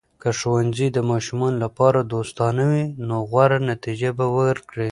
که ښوونځي د ماشومانو لپاره دوستانه وي، نو غوره نتیجه به ورکړي.